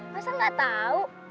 masa gak tahu